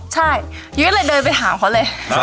ใช่ยุ้ยเลยเดินไปถามเขาเลย